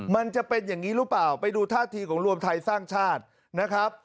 มันจะเป็นอย่างนี้หรือเปล่าไปดูท่าทีของรวมไทยสร้างชาตินะครับ